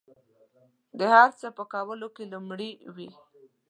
د هر څه په کولو کې لومړي وي.